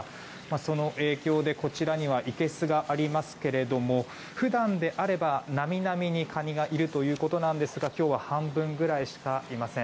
その影響でこちらにはいけすがありますが普段であればなみなみにカニがいるということなんですが今日は半分ぐらいしかいません。